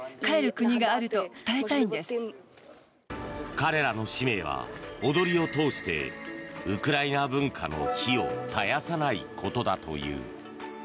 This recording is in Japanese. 彼らの使命は、踊りを通してウクライナ文化の灯を絶やさないことだという。